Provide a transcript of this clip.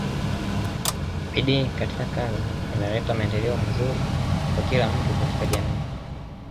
bidii katika kazi inaleta maendeleo manzuri kwa kila mtu katika jamii